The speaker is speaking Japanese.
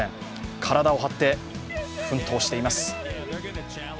体を張って奮闘しています。